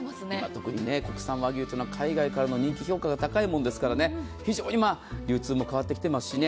特に国産和牛は海外から人気評価が高いから非常に流通も変わってきていますしね。